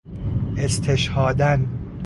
استشهاداً